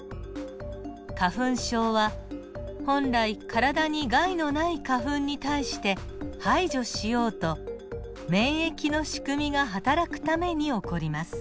花粉症は本来体に害のない花粉に対して排除しようと免疫のしくみがはたらくために起こります。